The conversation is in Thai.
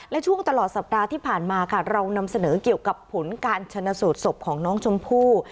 และช่วงตลอดสัปดาห์ที่ผ่านมาค่ะเรานำเสนอเกี่ยวกับผลการชนะสูตรศพของน้องชมพู่